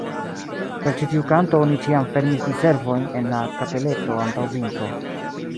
Per ĉi tiu kanto oni ĉiam fermis Di-servojn en la kapeleto antaŭ vintro.